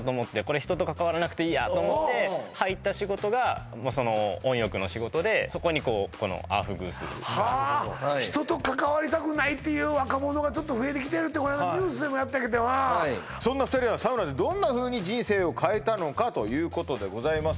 人と関わらなくていいやと思って入った仕事がまあ温浴の仕事でそこにこのアウフグースはあ人と関わりたくないっていう若者がちょっと増えてきてるってこの間ニュースでもそんな２人はサウナでどんなふうに人生を変えたのかということでございます